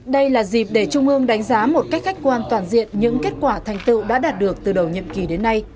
đây là dịp để trung ương đánh giá một cách khách quan toàn diện những kết quả thành tựu đã đạt được từ đầu nhiệm kỳ đến nay